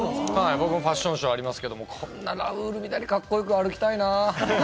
ファッションショーありますけれども、こんなラウールみたいにカッコよく歩きたいな。